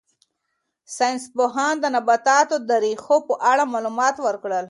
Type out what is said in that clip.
ساینس پوهانو د نباتاتو د ریښو په اړه معلومات ورکړل.